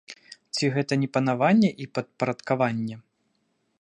Ці гэта не панаванне і падпарадкаванне?